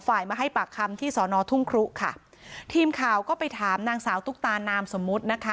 มาให้ปากคำที่สอนอทุ่งครุค่ะทีมข่าวก็ไปถามนางสาวตุ๊กตานามสมมุตินะคะ